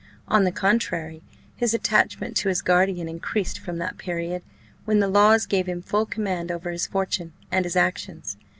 On the contrary, his attachment to his guardian increased from that period, when the laws gave him full command over his fortune and his actions.